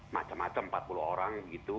macem macem empat puluh orang gitu